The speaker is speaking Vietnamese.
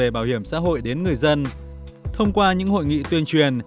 bảo hiểm xã hội đến người dân thông qua những hội nghị tuyên truyền